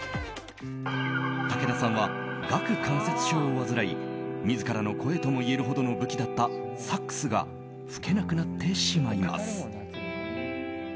武田さんは顎関節症を患い自らの声ともいえるほどの武器だったサックスが吹けなくなってしまいます。